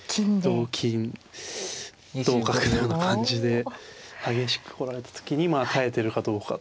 同金同角のような感じで激しく来られた時にまあ耐えてるかどうかと。